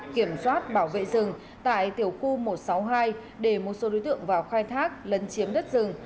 kiểm soát bảo vệ rừng tại tiểu khu một trăm sáu mươi hai để một số đối tượng vào khai thác lấn chiếm đất rừng